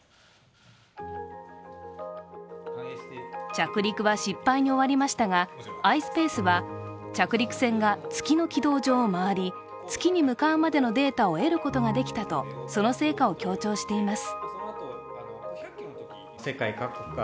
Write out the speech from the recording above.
着陸は失敗に終わりましたが、ｉｓｐａｃｅは着陸船が月の軌道上を周り月に向かうまでのデータを得ることができたとその成果を強調しています。